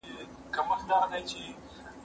زه لوبه کړې ده،